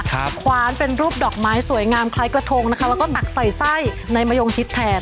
คว้านเป็นรูปดอกไม้สวยงามคล้ายกระทงนะคะแล้วก็ตักใส่ไส้ในมะยงชิดแทน